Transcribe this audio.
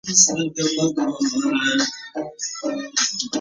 د ځنګلونو او طبیعي سرچینو ساتنه کیږي.